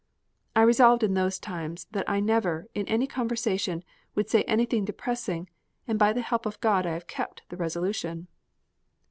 I resolved in those times that I never, in any conversation, would say anything depressing, and by the help of God I have kept the resolution.